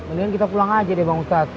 mendingan kita pulang aja deh bang ustadz